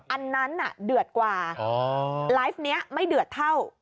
อันนั้นเดือดกว่าไลฟ์นี้ไม่เดือดเท่า